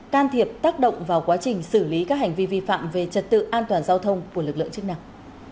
can thiệp tác động vào quá trình xử lý các hành vi vi phạm về trật tự an toàn giao thông của lực lượng chức năng